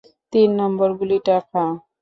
তিন নম্বর গুলিটা খা।